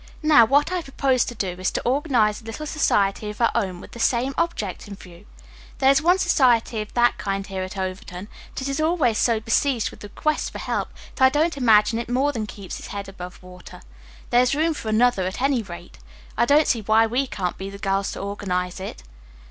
Now, what I propose to do is to organize a little society of our own with this same object in view. There is one society of that kind here at Overton, but it is always so besieged with requests for help that I don't imagine it more than keeps its head above water. There is room for another, at any rate. I don't see why we can't be the girls to organize it."